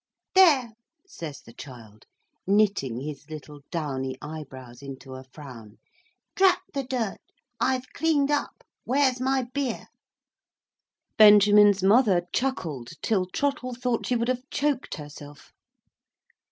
"There!" says the child, knitting his little downy eyebrows into a frown. "Drat the dirt! I've cleaned up. Where's my beer?" Benjamin's mother chuckled till Trottle thought she would have choked herself.